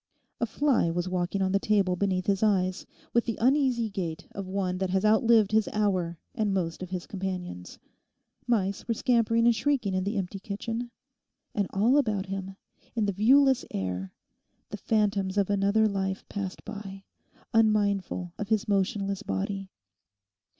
A fly was walking on the table beneath his eyes, with the uneasy gait of one that has outlived his hour and most of his companions. Mice were scampering and shrieking in the empty kitchen. And all about him, in the viewless air, the phantoms of another life passed by, unmindful of his motionless body.